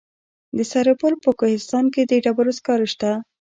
د سرپل په کوهستان کې د ډبرو سکاره شته.